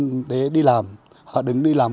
họ đứng đi làm các chỗ mà họ không có chính thức